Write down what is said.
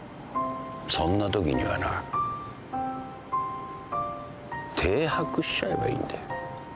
そんなときにはな停泊しちゃえばいいんだ。